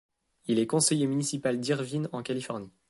Il est conseiller municipal d'Irvine en Californie.